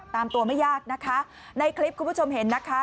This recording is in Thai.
ตามตัวไม่ยากนะคะในคลิปคุณผู้ชมเห็นนะคะ